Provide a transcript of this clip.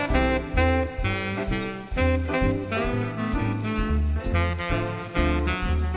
สวัสดีครับสวัสดีครับ